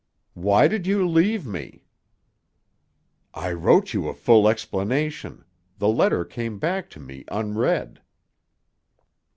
"Why did you leave me?" "I wrote you a full explanation. The letter came back to me unread."